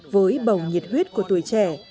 với bầu nhiệt huyết của tuổi trẻ